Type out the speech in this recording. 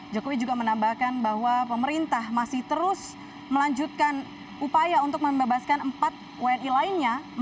jokowi juga menambahkan bahwa pemerintah masih terus melanjutkan upaya untuk membebaskan empat wni lainnya